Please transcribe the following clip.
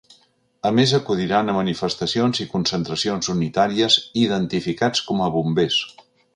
A més, acudiran a manifestacions i concentracions unitàries ‘identificats com a bombers’.